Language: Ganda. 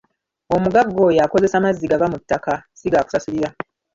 Omugagga oyo akozesa mazzi gava mu ttaka si gaakusasulira.